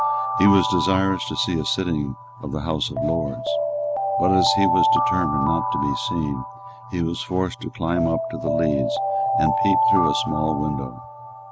He was desirous to see a sitting of the House of Lords; but, as he was determined not to be seen, he was forced to climb up to the leads, and to peep through a small window.